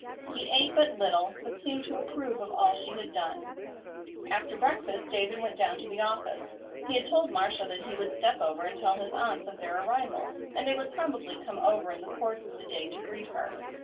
He ate but little, but seemed to approve of all she had done. After breakfast David went down to the office. He had told Marcia that he would step over and tell his aunts of their arrival, and they would probably come over in the course of the day to greet her.